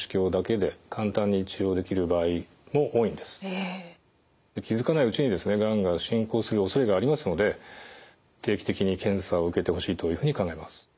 それに対して気付かないうちにがんが進行するおそれがありますので定期的に検査を受けてほしいというふうに考えます。